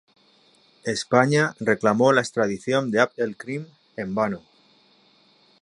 España reclamó la extradición de Abd el-Krim, en vano.